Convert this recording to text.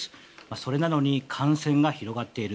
それなのに感染が広がっている。